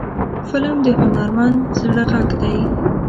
فلم د هنرمند زړه غږ دی